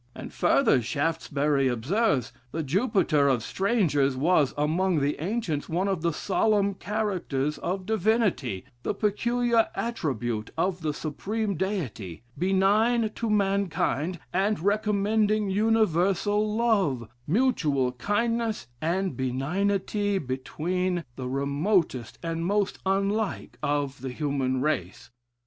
And further, Shaftesbury observes, 'The Jupiter of Strangers, was, among the ancients, one of the solemn characters of divinity, the peculiar attribute of the supreme deity; benign to mankind, and recommending universal love, mutual kindness, and benignity between the remotest and most unlike of the human race.